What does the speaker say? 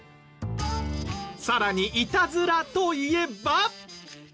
さらにいたずらといえば。